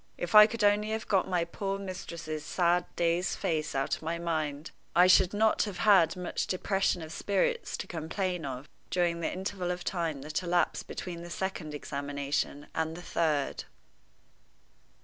If I could only have got my poor mistress's sad, dazed face out of my mind, I should not have had much depression of spirits to complain of during the interval of time that elapsed between the second examination and the third.